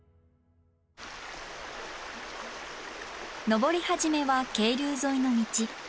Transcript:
登り始めは渓流沿いの道。